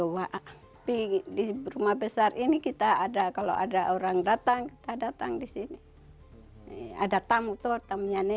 owa ping di rumah besar ini kita ada kalau ada orang datang datang di sini ada tamu tamu yang baca baca doa